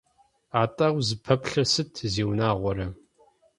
Атӏэ, узыпэплъэр сыт, зиунагъуэрэ!